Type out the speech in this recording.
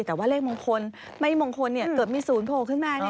แต่ว่าเลขมงคลไม่มงคลเกิดมี๐โผล่ขึ้นมา